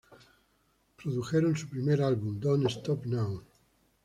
Produjeron su primer álbum "Don't Stop Now".